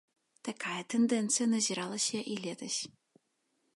Такая тэндэнцыя назіралася і летась.